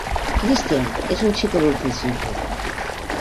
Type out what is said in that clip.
Christian: Es un chico dulce y sincero.